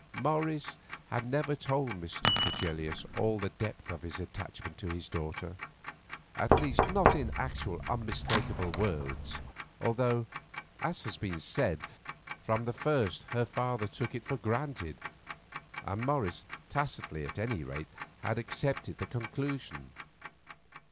Morris had never told Mr. Fregelius all the depth of his attachment to his daughter, at least, not in actual, unmistakable words, although, as has been said, from the first her father took it for granted, and Morris, tacitly at any rate, had accepted the conclusion.